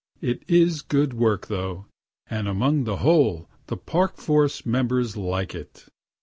It is good work, though; and upon the whole, the Park force members like it.